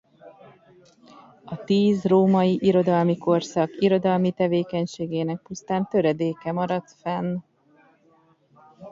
A tíz római irodalmi korszak irodalmi tevékenységének pusztán töredéke maradt fenn.